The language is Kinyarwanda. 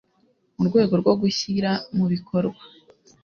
mu rwego rwo gushyira mu bikorwa